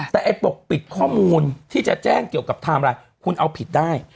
แต่ไอ้ปกปิดข้อมูลที่จะแจ้งเกี่ยวกับไทม์ไลน์คุณเอาผิดได้